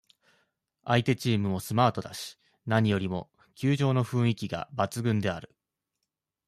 相手チームもスマートだし、何よりも、球場の雰囲気が抜群である。